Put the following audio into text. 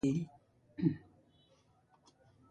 Com a representant de qui ve ell?